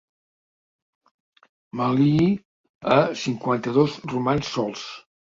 M'alïi a cinquanta-dos romans sols.